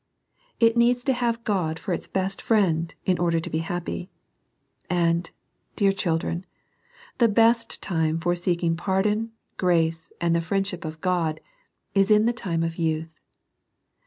It needs to have God for its best friend, in order to be happy. And, dear children, the best time for seeking pardon, grace, and the friendship of God, is the time of youth.